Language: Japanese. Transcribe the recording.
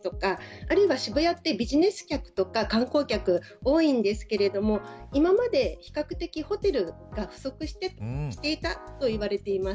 あるいは、渋谷ってビジネス客や観光客が多いんですけれども今まで比較的ホテルが不足していたと言われています。